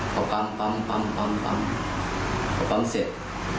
พอปั๊มปั๊มพอปั๊มเสร็จ